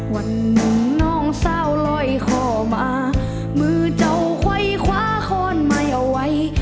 วันนึงน้องเซาลอยขอมามือเจ้าไขว้คว้าขอนไม้เอาไว้